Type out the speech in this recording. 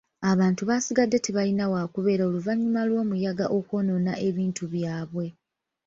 Abantu baasigadde tebalina waakubeera oluvannyuma lw'omuyaga okwonoona ebintu byabwe.